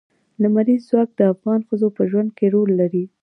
لمریز ځواک د افغان ښځو په ژوند کې رول لري.